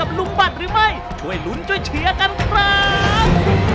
เรียกลุ่มบัตรหรือไม่ช่วยหลุนสมัยช่วยเฉียกันครับ